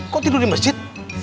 kok tidur di masjid